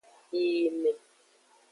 Yiyime.